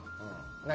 何？